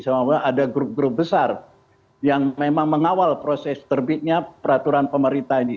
sama sama ada grup grup besar yang memang mengawal proses terbitnya peraturan pemerintah ini